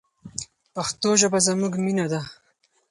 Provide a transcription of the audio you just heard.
پښتو ژبه زموږ مینه ده.